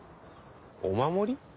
お守り？